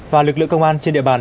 và lực lượng công an trên địa bàn